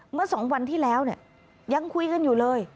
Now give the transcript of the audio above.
เมื่อ๒วันที่แล้วเนี่ยยังคุยกันอยู่เลย